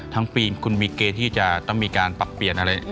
ปีคุณมีเกณฑ์ที่จะต้องมีการปรับเปลี่ยนอะไร